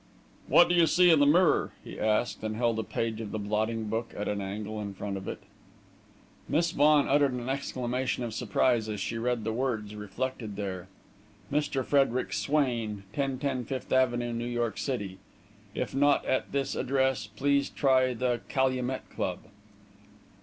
"What do you see in the mirror?" he asked, and held a page of the blotting book at an angle in front of it. Miss Vaughan uttered an exclamation of surprise, as she read the words reflected there: MR. FREDERIC SWAIN, 1010 Fifth Avenue, New York City. If not at this address, please try the Calumet Club.